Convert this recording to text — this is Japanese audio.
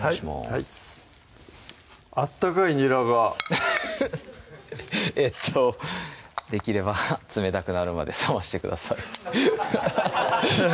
はい温かいにらがフフフえっとできれば冷たくなるまで冷ましてください